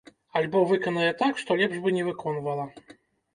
Альбо выканае так, што лепш бы не выконвала.